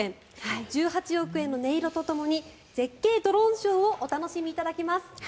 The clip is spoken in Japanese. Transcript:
１８億円の音色とともに絶景ドローンショーをお楽しみいただきます。